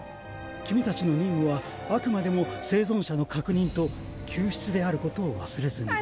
君たちの任務はあくまでも生存者の確認と救出であることを忘れずに。